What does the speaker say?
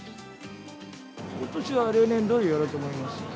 ことしは例年どおりやろうと思います。